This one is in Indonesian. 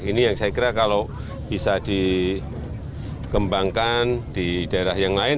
ini yang saya kira kalau bisa dikembangkan di daerah yang lain